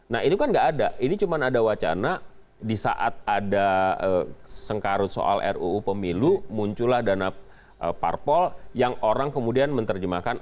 nah itu kan nggak ada ini cuma ada wacana di saat ada sengkarut soal ruu pemilu muncullah dana parpol yang orang kemudian menerjemahkan